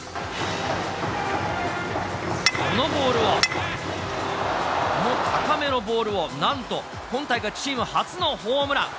このボールを、高めのボールをなんと、今大会チーム初のホームラン。